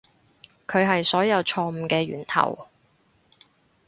佢係所有錯誤嘅源頭